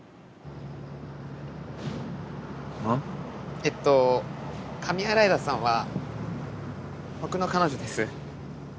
えっと上新井田さんは僕の彼女です。